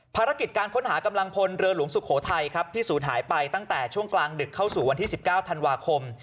ภารกิจการค้นหากำลังพลเรือหลวงสุโขทัยครับที่ศูนย์หายไปตั้งแต่ช่วงกลางดึกเข้าสู่วันที่๑๙ธันวาคม